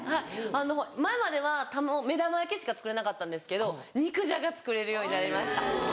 前までは目玉焼きしか作れなかったんですけど肉じゃが作れるようになりました！